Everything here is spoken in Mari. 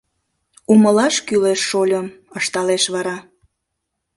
— Умылаш кӱлеш, шольым, — ышталеш вара.